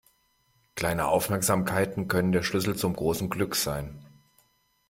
Kleine Aufmerksamkeiten können der Schlüssel zum großen Glück sein.